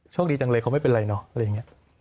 โชคดีจังเลยเขาไม่เป็นไรเนอะอะไรอย่างนี้